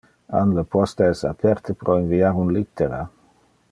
An le posta es aperte pro inviar un littera?